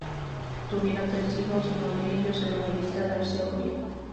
Tuvieron tres hijos, uno de ellos el novelista Darcy O'Brien.